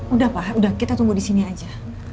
udah pak udah kita tunggu disini aja